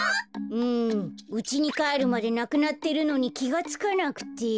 うんうちにかえるまでなくなってるのにきがつかなくて。